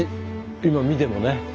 今見てもね。